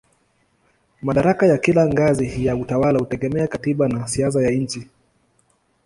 Madaraka ya kila ngazi ya utawala hutegemea katiba na siasa ya nchi.